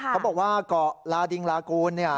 เขาบอกว่าเกาะลาดิงลากูล